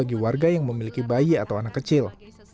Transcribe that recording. bagi warga yang memiliki bayi atau anak kecil